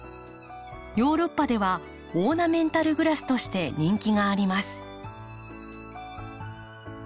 ヨーロッパではオーナメンタルグラスとして人気があります。